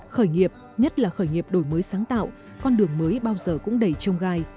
khởi nghiệp nhất là khởi nghiệp đổi mới sáng tạo con đường mới bao giờ cũng đầy trông gai